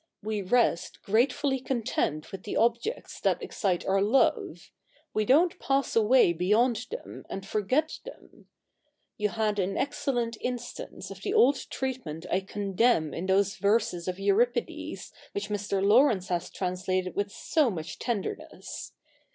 We rest gratefully content with the objects that excite our love ; we don't pass away beyond them, and forget them. You had an excellent instance of the old treatment I condemn in those verses of Euripides which Mr. Laurence has translated with so much tenderness.